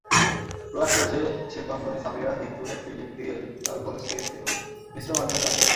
প্রয়াস চলছে শিল্পাঙ্গনেসাবিহা জিতু অ্যাক্রিলিক, তেল, চারকোল স্কেচ এবং মিশ্র মাধ্যমে কাজ করেন।